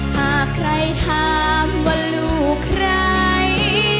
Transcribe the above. หากใครถามว่าลูกเรียก